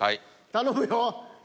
頼むよ。